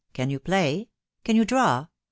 • Can you play ?.... Can you draw ?